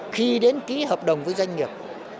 khi đến ký hợp đồng với doanh nghiệp